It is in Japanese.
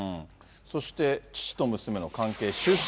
そして父と娘の関係修復。